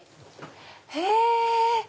へぇ！